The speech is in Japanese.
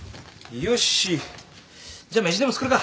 よしじゃ飯でも作るか。